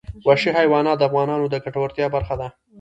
وحشي حیوانات د افغانانو د ګټورتیا برخه ده.